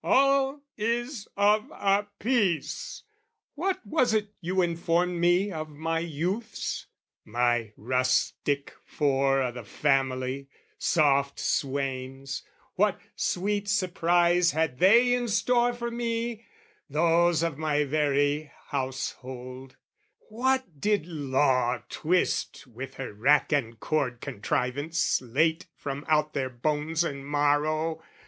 All is of a piece! What was it you informed me of my youths? My rustic four o' the family, soft swains, What sweet surprise had they in store for me, Those of my very household, what did Law Twist with her rack and cord contrivance late From out their bones and marrow?